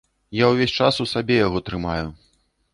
Я ўвесь час у сабе яго трымаю.